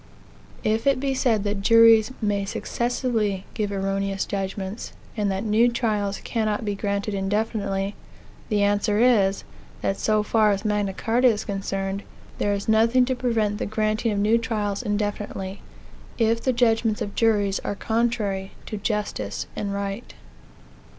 If it be said that juries may successively give erroneous judgments, and that new trials cannot be granted indefinitely, the answer is, that so far as Magna Carta is concerned, there is nothing to prevent the granting of new trials indefinitely, if the judgments of juries are contrary to "justice and right."